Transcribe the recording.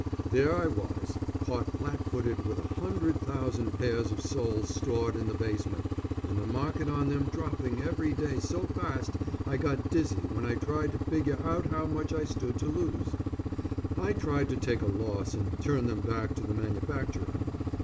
There I was, caught flatfooted with a hundred thousand pairs of soles stored in the basement, and the market on them dropping every day so fast I got dizzy when I tried to figure out how much I stood to lose. I tried to take a loss and turn them back to the manufacturer.